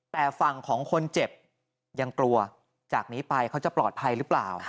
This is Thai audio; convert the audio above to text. แต่ฝั่งของคนเจ็บยังกลัวจากนี้ไปเขาจะปลอดภัยหรือเปล่า